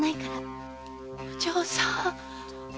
お嬢さん。